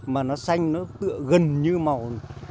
mà nó xanh nó gần như màu